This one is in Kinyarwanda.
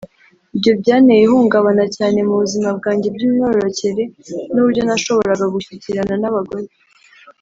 Ibyo byanteye ihungabana cyane mu buzima bwanjye bw’imyororokere n’uburyo nashoboraga gushyikirana n’abagore